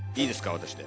私で。